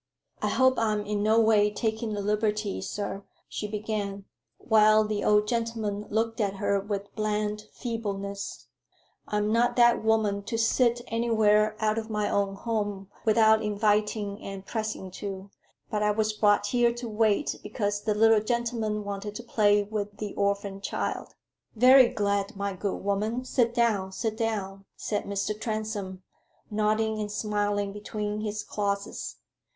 "I hope I'm in no way taking a liberty, sir," she began, while the old gentleman looked at her with bland feebleness; "I'm not that woman to sit anywhere out of my own home without inviting and pressing to. But I was brought here to wait, because the little gentleman wanted to play with the orphin child." "Very glad, my good woman sit down sit down," said Mr. Transome, nodding and smiling between his clauses.